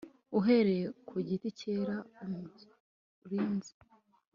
uhereye ku giti cyera umurinzi